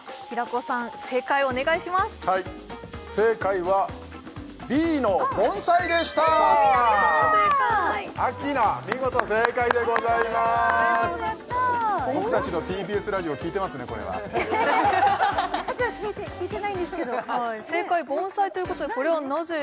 これはラジオ聴いてないんですけど正解は盆栽ということでこれはなぜ？